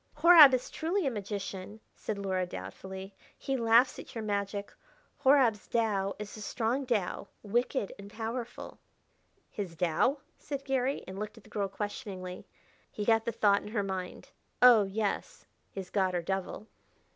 "Horab is truly a magician," said Luhra doubtfully; "he laughs at your magic. Horab's Tao is a strong Tao, wicked and powerful." "His Tao?" said Garry, and looked at the girl questioningly. He got the thought in her mind. "Oh, yes his god, or devil."